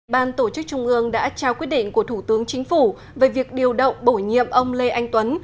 ban tổ chức trung ương đã trao quyết định của thủ tướng chính phủ về việc điều động bổ nhiệm ông lê anh tuấn